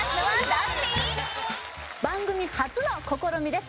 番組初の試みです